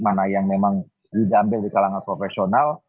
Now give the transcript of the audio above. mana yang memang didampil di kalangan profesional